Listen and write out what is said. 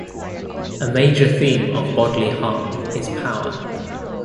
A major theme of "Bodily Harm" is power.